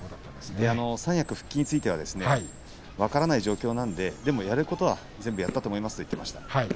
三役復帰については分からない状況なのででもやることは全部やれたと思いますと言っていました。